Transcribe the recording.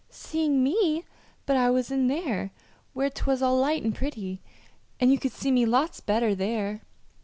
"Seeing me! But I was in there, where 'twas all light and pretty, and you could see me lots better there!"